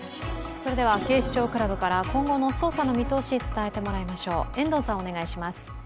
それでは警視庁クラブから今後の捜査の見通しを伝えてもらいましょう。